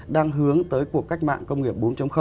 đang hướng tới cuộc cách mạng công nghiệp bốn